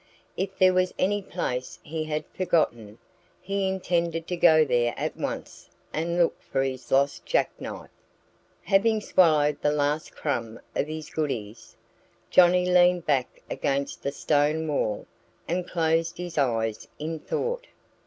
If there was any place he had forgotten, he intended to go there at once and look for his lost jackknife. Having swallowed the last crumb of his goodies, Johnnie leaned back against the stone wall and closed his eyes in thought.